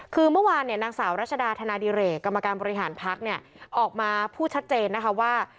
คือเมื่อวานเนี่ยนางสาวรัชดาธนาดิเรกกรรมการบริหารพักเนี่ยออกมาพูดชัดเจนนะคะว่า